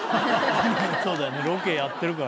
そうだよね。